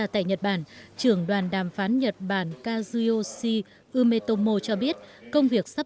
trước năm đó trưởng đoàn đàm phán chứng minh nga nato đã phát hành một trò v medida